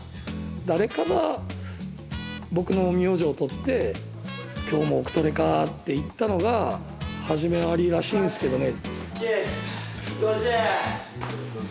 誰かが僕の名字を取って「今日も奥トレかぁ」って言ったのが始まりらしいんですけどね。